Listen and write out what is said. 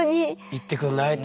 行ってくんない？と。